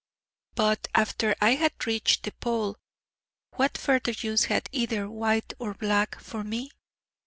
But after I had reached the Pole, what further use had either White or Black for me?